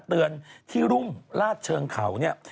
เตือนที่รุ่มลาดเชิงเขาเนี่ย